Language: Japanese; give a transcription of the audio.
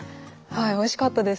はいおいしかったです。